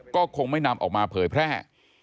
ก็คงไม่นำออกมาเผยแพร่